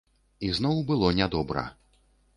І зноў было нядобра.